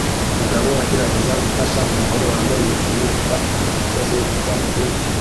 Umugabo agerageza gufasha umugore wambaye bikini kuva kumusozi ujya mubindi